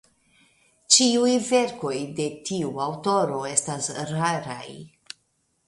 Ĉiuj verkoj de tiu aŭtoro estas raraj.